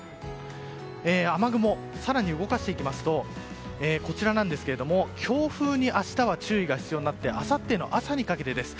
雨雲を更に動かしていきますと強風に明日は注意が必要になってあさっての朝にかけてですね。